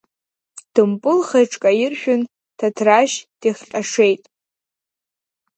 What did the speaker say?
Дымпылха иҽкаиршәын, Ҭаҭрашь дихҟьашеит!